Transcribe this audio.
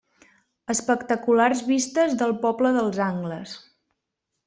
Espectaculars vistes del poble dels Angles.